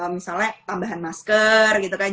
misalnya tambahan masker gitu kan